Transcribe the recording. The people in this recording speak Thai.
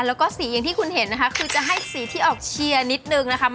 แล้วก็สีอย่างที่คุณเห็นนะคะคือจะให้สีที่ออกเชียร์นิดนึงนะคะ